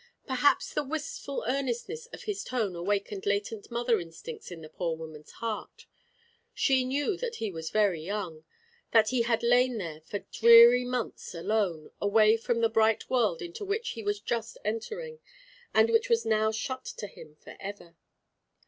Perhaps the wistful earnestness of his tone awakened latent mother instincts in the poor woman's heart. She knew that he was very young; that he had lain there for dreary months alone, away from the bright world into which he was just entering, and which was now shut to him for ever.